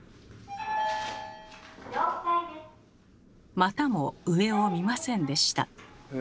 またも上を見ませんでした。